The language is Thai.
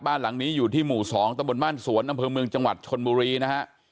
บ้านหลังนี้อยู่ที่หมู่๒ตะบนบ้านสวนอำเภอเมืองจังหวัดชนบุรีนะฮะ